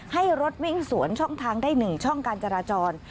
ให้รถวิ่งสวนช่องทางได้๑ช่องการจราจร